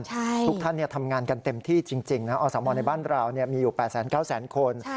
ทุกท่านทำงานกันเต็มที่จริงนะอสมในบ้านเรามีอยู่๘๙๐๐คน